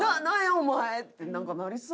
お前ってなんかなりそうやけどな。